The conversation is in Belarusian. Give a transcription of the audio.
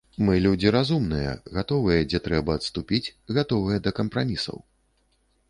Мы людзі разумныя, гатовыя, дзе трэба, адступіць, гатовыя да кампрамісаў.